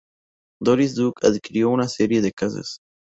Doris Duke adquirió una serie de casas.